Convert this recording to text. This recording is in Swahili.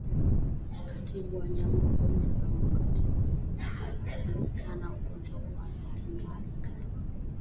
Kutibu wanyama magonjwa ya kitabibu hukabiliana na ugonjwa wa ndigana kali